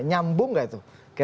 nyambung gak itu kira kira